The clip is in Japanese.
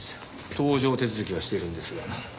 搭乗手続きはしているんですが。